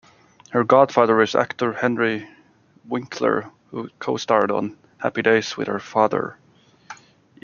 Her godfather is actor Henry Winkler, who co-starred on "Happy Days" with her father.